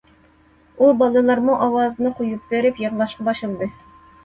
ئۇ بالىلارمۇ ئاۋازىنى قويۇپ بېرىپ يىغلاشقا باشلىدى.